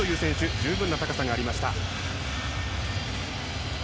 十分な高さがありました。